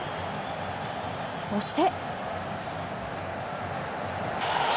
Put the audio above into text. そして。